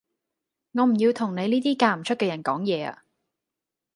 我唔要同你呢啲嫁唔出嘅人講嘢呀